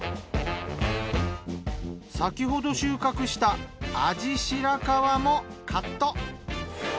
先ほど収穫した味しらかわもカット。